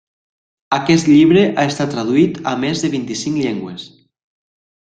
Aquest llibre ha estat traduït a més de vint-i-cinc llengües.